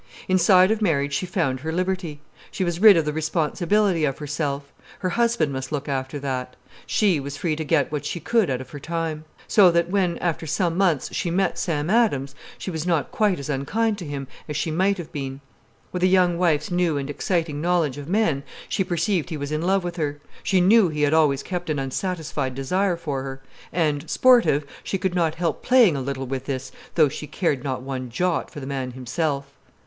Inside of marriage she found her liberty. She was rid of the responsibility of herself. Her husband must look after that. She was free to get what she could out of her time. So that, when, after some months, she met Sam Adams, she was not quite as unkind to him as she might have been. With a young wife's new and exciting knowledge of men, she perceived he was in love with her, she knew he had always kept an unsatisfied desire for her. And, sportive, she could not help playing a little with this, though she cared not one jot for the man himself.